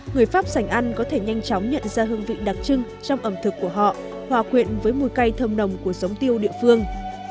người pháp sành ăn có thể nhanh chóng nhận ra hương vị đặc trưng trong ẩm thực của họ hòa quyện với mùi cay thơm nồng của giống tiêu địa phương